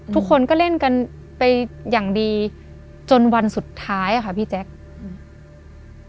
ทุกคนก็เล่นกันไปอย่างดีจนวันสุดท้ายอ่ะค่ะพี่แจ๊คอืม